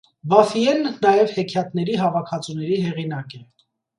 Բաֆիեն նաև հեքիաթների հավաքածուների հեղինակ է։